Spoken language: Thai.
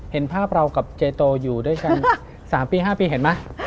เห็นภาพเรากับเจโตอยู่ด้วยกัน๓ปี๕ปีเห็นไหม